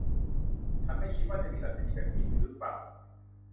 ฉันไม่คิดว่าจะมีดัชนีแบบนี้หรือเปล่า ?